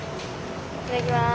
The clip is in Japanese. いただきます。